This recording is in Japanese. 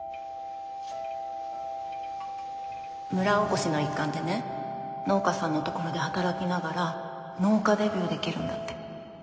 村おこしの一環でね農家さんのところで働きながら農家デビューできるんだって。